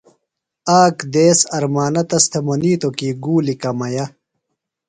آک دیس ارمانہ تس تھےۡ منِیتوۡ کی گُولیۡ کمیہ۔